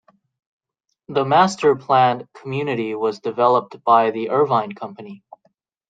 The master-planned community was developed by the Irvine Company.